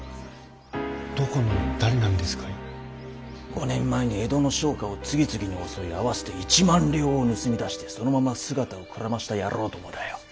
５年前に江戸の商家を次々に襲い合わせて一万両を盗み出してそのまま姿をくらました野郎どもだよ。